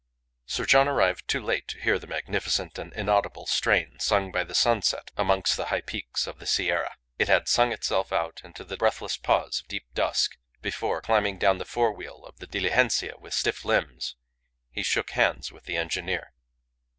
Sir John arrived too late to hear the magnificent and inaudible strain sung by the sunset amongst the high peaks of the Sierra. It had sung itself out into the breathless pause of deep dusk before, climbing down the fore wheel of the diligencia with stiff limbs, he shook hands with the engineer.